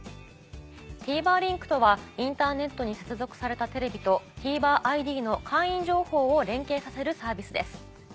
ＴＶｅｒリンクとはインターネットに接続されたテレビとＴＶｅｒＩＤの会員情報を連係させるサービスです。